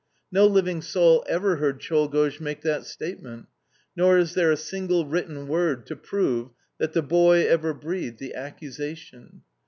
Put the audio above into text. No living soul ever heard Czolgosz make that statement, nor is there a single written word to prove that the boy ever breathed the accusation.